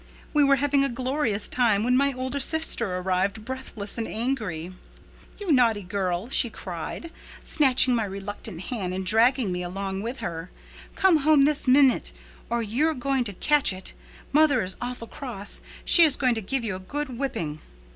We were having a glorious time when my older sister arrived, breathless and angry. "'You naughty girl" she cried, snatching my reluctant hand and dragging me along with her. 'Come home this minute. Oh, you're going to catch it! Mother is awful cross. She is going to give you a good whipping.